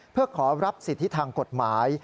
เพื่อขอรับสิทธิทางกฎหมาย